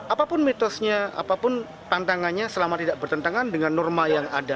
apapun mitosnya apapun tantangannya selama tidak bertentangan dengan norma yang ada